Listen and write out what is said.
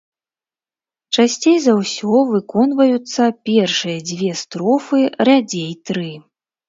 Часцей за ўсё выконваюцца першыя дзве строфы, радзей тры.